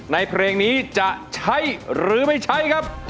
ในเพลงนี้จะใช้หรือไม่ใช้